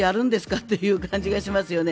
って感じがしますよね。